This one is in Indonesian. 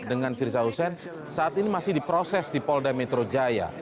dengan firza hussein saat ini masih diproses di polda metro jaya